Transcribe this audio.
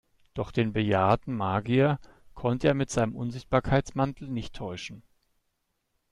Doch den bejahrten Magier konnte er mit seinem Unsichtbarkeitsmantel nicht täuschen.